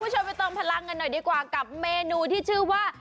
คุณผู้ชมไปเติมพลังกันหน่อยดีกว่ากับเมนูที่ชื่อว่า